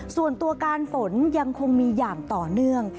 ส่วนตัวการฝนยังคงมีอย่างต่อเนื่อง